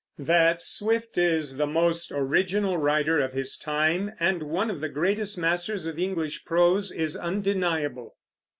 That Swift is the most original writer of his time, and one of the greatest masters of English prose, is undeniable.